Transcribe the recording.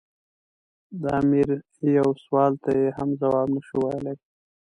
د امیر یوه سوال ته یې هم ځواب نه شو ویلای.